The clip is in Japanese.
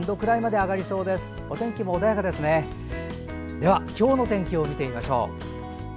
では今日の天気を見てみましょう。